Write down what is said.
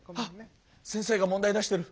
あっ先生が問題出してる。